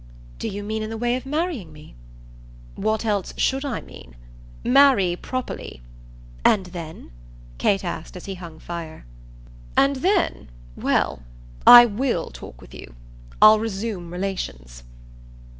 "Do you mean in the way of marrying me?" "What else should I mean? Marry properly " "And then?" Kate asked as he hung fire. "And then well, I WILL talk with you. I'll resume relations."